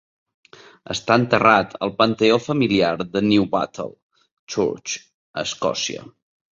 Està enterrat al panteó familiar de Newbattle Church, Escòcia.